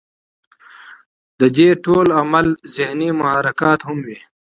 د دې ټول عمل ذهني محرکات هم وي